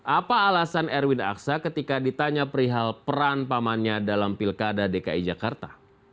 apa alasan erwin aksa ketika ditanya perihal peran pamannya dalam pilkada dki jakarta